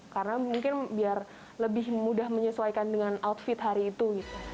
karena mungkin biar lebih mudah menyesuaikan dengan outfit hari itu